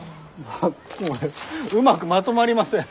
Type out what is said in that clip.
うまくまとまりません。